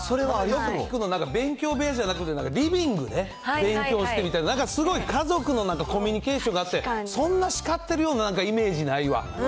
よく聞くのは勉強部屋じゃなくて、リビングで勉強してみたいな、なんかすごい家族のコミュニケーションがあって、そんな叱ってるようなイメージないわ。